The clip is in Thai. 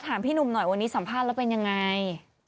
พี่หนุ่มหน่อยวันนี้สัมภาษณ์แล้วเป็นยังไง